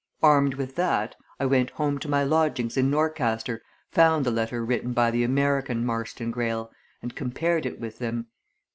Armed with that, I went home to my lodgings in Norcaster, found the letter written by the American Marston Greyle, and compared it with them.